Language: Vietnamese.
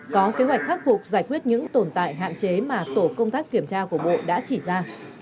có kế hoạch khắc phục giải quyết những tồn tại hạn chế mà tổ công tác kiểm tra của bộ đã chỉ ra